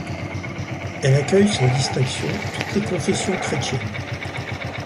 Elle accueille sans distinctions toutes les confessions chrétiennes.